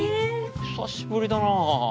久しぶりだなぁ。